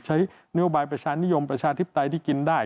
ใช้นโยบายประชานิยมประชาธิปไตยที่กินได้